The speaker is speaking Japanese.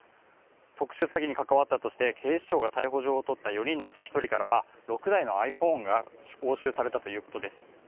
特殊詐欺に関わったとして警視庁が逮捕状を取った４人のうち１人からは６台のｉＰｈｏｎｅが押収されたということです。